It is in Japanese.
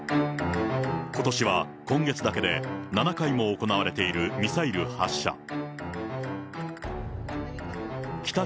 ことしは今月だけで７回も行われているミサイル発射。